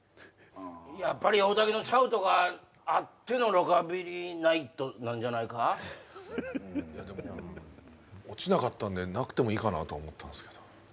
やっぱり大竹のシャウトがあってのロカビリーナイトなんじゃないかいやでも落ちなかったんでなくてもいいかなと思ったんすけど